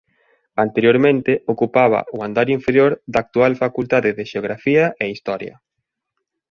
Anteriormente ocupaba o andar inferior da actual Facultade de Xeografía e Historia.